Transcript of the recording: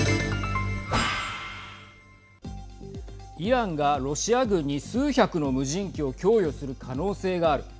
イランがロシア軍に数百の無人機を供与する可能性がある。